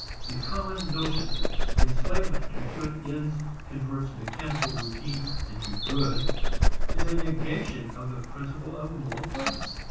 The common notion that enslavement to good ends converts mechanical routine into good is a negation of the principle of moral goodness.